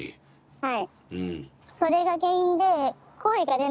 はい。